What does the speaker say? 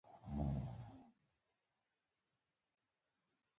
فرمان